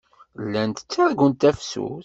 Llant ttargunt tafsut.